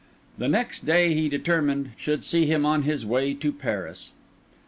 The next day, he determined, should see him on his way to Paris.